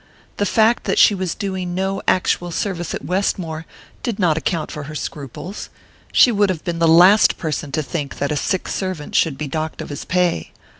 The fact that she was doing no actual service at Westmore did not account for her scruples she would have been the last person to think that a sick servant should be docked of his pay.